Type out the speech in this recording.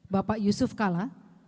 bapak yusuf kala